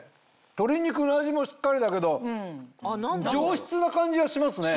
鶏肉の味もしっかりだけど上質な感じがしますね。